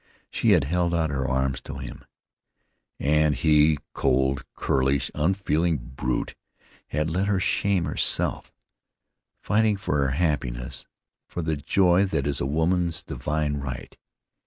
She had held out her arms to him and he, cold, churlish, unfeeling brute, had let her shame herself, fighting for her happiness, for the joy that is a woman's divine right.